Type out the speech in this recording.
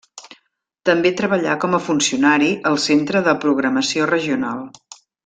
També treballà com a funcionari al centre de programació regional.